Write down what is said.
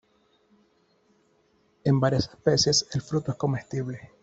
En varias especies el fruto es comestible.